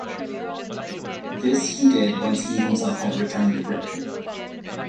This he did once he himself had returned to Britain.